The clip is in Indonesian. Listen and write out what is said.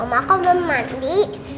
oma kok belum mandi